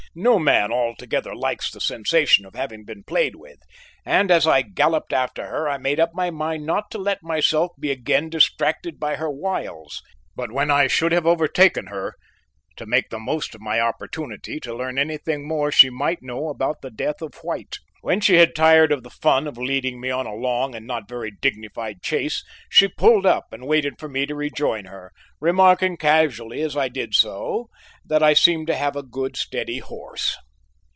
No man altogether likes the sensation of having been played with, and as I galloped after her I made up my mind not to let myself be again distracted by her wiles, but when I should have overtaken her to make the most of my opportunity to learn anything more she might know about the death of White. When she had tired of the fun of leading me a long and not very dignified chase, she pulled up and waited for me to rejoin her, remarking casually as I did so that I seemed to have a "good steady horse."